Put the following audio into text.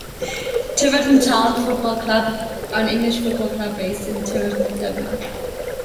Tiverton Town Football Club are an English football club based in Tiverton, Devon.